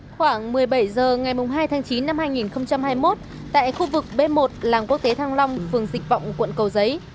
khoảng một mươi bảy h ngày hai tháng chín năm hai nghìn hai mươi một tại khu vực b một làng quốc tế thăng long phường dịch vọng quận cầu giấy